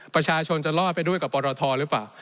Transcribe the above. ประชาชนจะรอดไปด้วยกับปรทหรือเปล่า